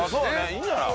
いいんじゃない？